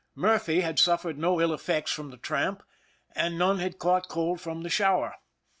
Murphy had suffered no ill effects from the tramp, and none had caught cold from the shower.